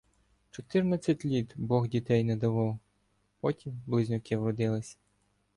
Чотирнадцять літ Бог дітей не давав — потім близнюки вродилися.